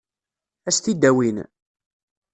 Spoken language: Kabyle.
Ad s-t-id-awin?